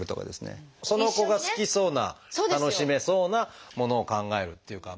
その子が好きそうな楽しめそうなものを考えるっていうか。